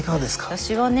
私はね